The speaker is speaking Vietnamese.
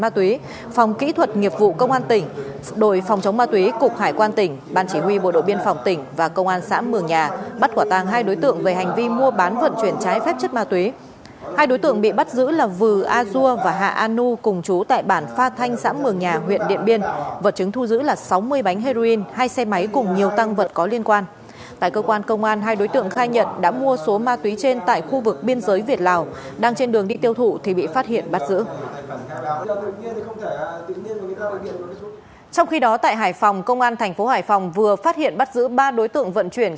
trong khi đó tại hải phòng công an tp hải phòng vừa phát hiện bắt giữ ba đối tượng vận chuyển